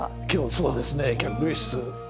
そうですね客室。